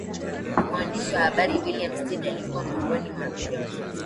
mwandishi wa habari william stead alikuwa miongoni mwa abiria wa titanic